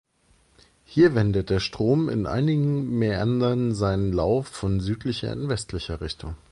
Hier wendet der Strom in einigen Mäandern seinen Lauf von südlicher in westliche Richtung.